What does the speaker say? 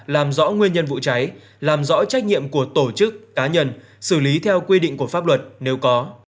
làm rõ nguyên nhân vụ cháy làm rõ trách nhiệm của tổ chức cá nhân xử lý theo quy định của pháp luật nếu có